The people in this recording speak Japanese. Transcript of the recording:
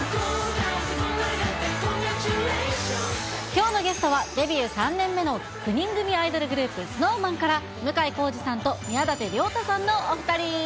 きょうのゲストはデビュー３年目の９人組アイドルグループ、ＳｎｏｗＭａｎから、向井康二さんと宮舘涼太さんのお２人。